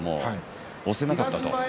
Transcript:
押せなかったと。